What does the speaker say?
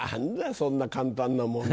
そんな簡単な問題。